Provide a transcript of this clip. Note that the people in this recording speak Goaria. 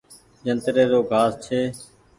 جنتري رو گآس ڇي۔